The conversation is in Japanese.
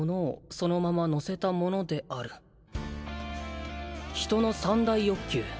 「そのまま載せたものである」「人の三大欲求」